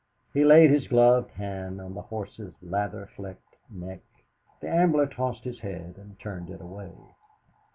He laid his gloved hand on the horse's lather flecked neck. The Ambler tossed his head and turned it away.